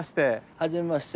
はじめまして。